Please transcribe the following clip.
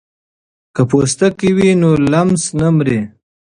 که پوستکی وي نو لمس نه مري.